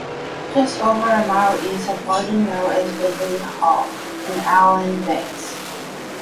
Just over a mile east of Bardon Mill is Ridley Hall and Allen Banks.